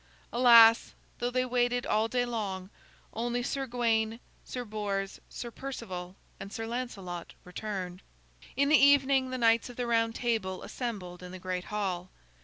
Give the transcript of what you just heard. Alas, though they waited all day long, only Sir Gawain, Sir Bors, Sir Perceval, and Sir Lancelot returned. In the evening the knights of the Round Table assembled in the great hall.